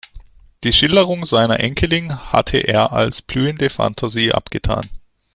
Die Schilderungen seiner Enkelin hatte er als blühende Fantasie abgetan.